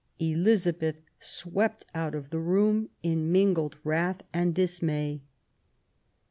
Elizabeth swept out of the room in mipgled wrath and dismay.